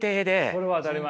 それは当たり前。